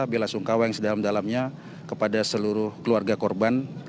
bela sungkawa yang sedalam dalamnya kepada seluruh keluarga korban